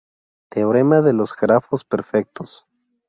Teorema de los grafos perfectos.